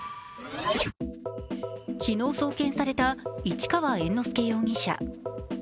昨日、送検された市川猿之助容疑者。